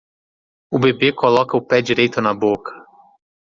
O bebê coloca o pé direito na boca.